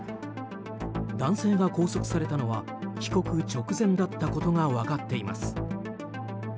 男性が拘束されたのは帰国直前だったことが分かっています。